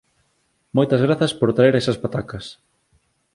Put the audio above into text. Moitas grazas por traer esas patacas!